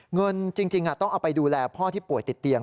เงินจริงต้องเอาไปดูแลพ่อที่ป่วยติดเตียง